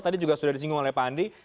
tadi juga sudah disinggung oleh pak andi